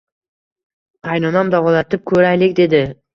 Qaynonam davolatib ko`raylik, dedi